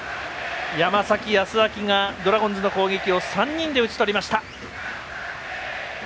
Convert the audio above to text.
山崎康晃がドラゴンズの攻撃を３人で打ち取りました。